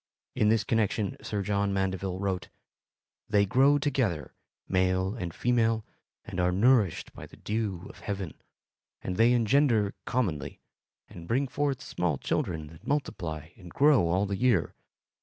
In this connection Sir John Mandeville wrote: They grow together, male and female, and are nourished by the dew of heaven; and they engender commonly, and bring forth small children that multiply and grow all the year.